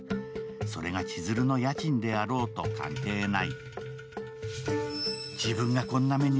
それが千鶴の家賃であろうと関係ない。